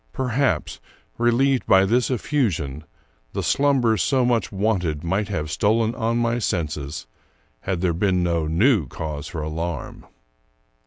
Perhaps, relieved by this effusion, the slumber so much wanted might have stolen on my senses, had there been no new cause of alarm.